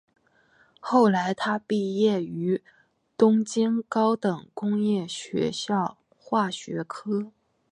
后来他毕业于东京高等工业学校化学科。